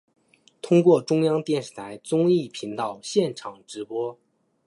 通过中央电视台综艺频道现场直播。